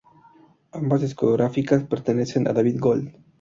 Ambas discográficas pertenecen a David Gold.